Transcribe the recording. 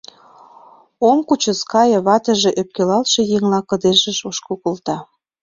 — Ом кучыс, кае! — ватыже ӧпкелалтше еҥла кыдежыш ошкыл колта.